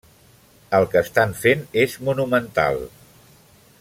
El que estan fent és monumental.